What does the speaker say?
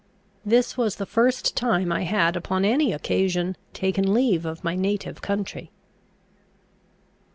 This was the first time I had, upon any occasion, taken leave of my native country.